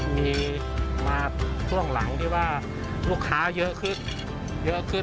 มีมาช่วงหลังที่ว่าลูกค้าเยอะขึ้น